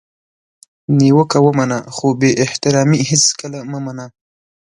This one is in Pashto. نیوکه ومنه خو بي احترامي هیڅکله مه منه!